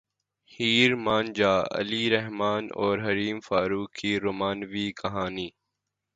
ہیر مان جا علی رحمن اور حریم فاروق کی رومانوی کہانی